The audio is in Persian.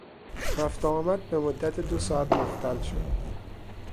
رفت و آمد به مدت دو ساعت مختل شد.